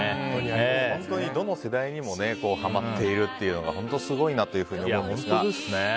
本当にどの世代にもはまっているっていうのが本当にすごいなというふうに思いますね。